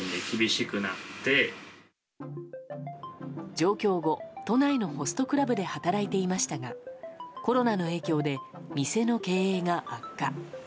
上京後、都内のホストクラブで働いていましたがコロナの影響で店の経営が悪化。